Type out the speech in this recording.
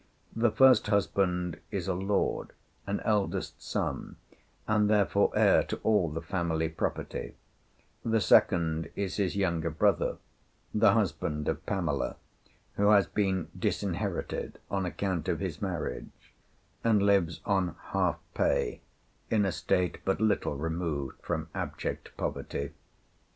The first husband is a lord, an eldest son, and therefore heir to all the family property; the second is his younger brother, the husband of Pamela, who has been disinherited on account of his marriage, and lives on half pay in a state but little removed from abject poverty.